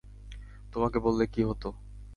তোমাকে বললে কি হতো?